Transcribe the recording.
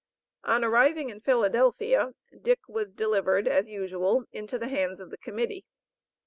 On arriving in Philadelphia, Dick was delivered, as usual, into the hands of the Committee.